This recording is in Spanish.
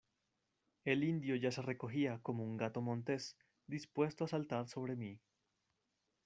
el indio ya se recogía, como un gato montés , dispuesto a saltar sobre mí.